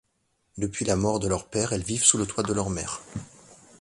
Depuis la mort de leur père, elles vivent sous le toit de leur mère.